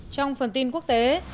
trong phần tin quốc tế